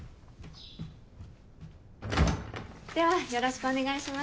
ではよろしくお願いします。